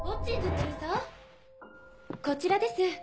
こちらです。